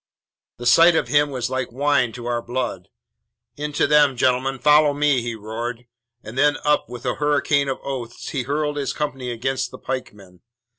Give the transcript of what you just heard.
The sight of him was like wine to our blood. 'Into them, gentlemen; follow me!' he roared. And then, with a hurricane of oaths, he hurled his company against the pike men.